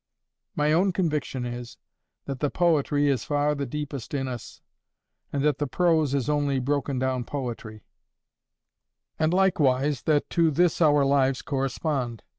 My own conviction is, that the poetry is far the deepest in us, and that the prose is only broken down poetry; and likewise that to this our lives correspond.